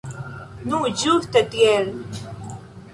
Nu, ĝuste tiel.